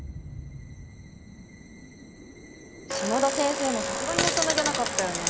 下田先生もさすがに大人げなかったよね